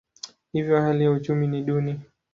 Hivyo hali ya uchumi ni duni.